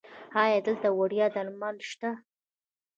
ایا دلته وړیا درمل شته؟